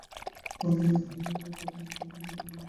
আনন্দময়ী কহিলেন, না বোন, তোমাকে আমি যেতে বলি নে।